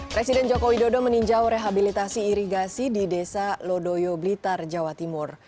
presiden joko widodo meninjau rehabilitasi irigasi di desa lodoyo blitar jawa timur